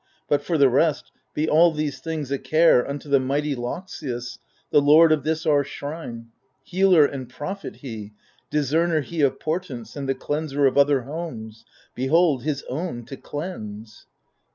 But, for the rest, be all these things a care Unto the mighty Loxias, the lord Of this our shrine : healer and prophet he, Discemer he of portents, and the cleanser Of other homes — behold, his own to cleanse